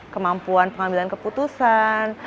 kemampuan pengambilan keputusan